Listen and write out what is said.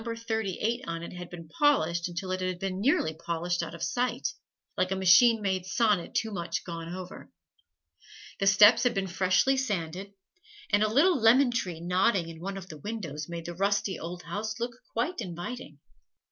38" on it had been polished until it had been nearly polished out of sight, like a machine made sonnet too much gone over. The steps had been freshly sanded, and a little lemon tree nodding in one of the windows made the rusty old house look quite inviting.